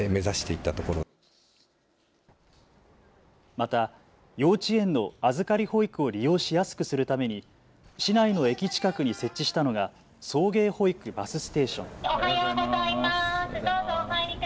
また幼稚園の預かり保育を利用しやすくするために市内の駅近くに設置したのが送迎保育バスステーション。